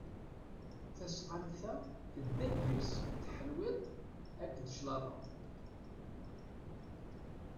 Tasqamt-a tedda deg-s tḥelwiḍt akked claḍa.